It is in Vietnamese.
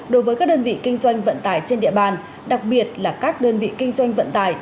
đối với các đơn vị kinh doanh vận tải trên địa bàn đặc biệt là các đơn vị kinh doanh vận tải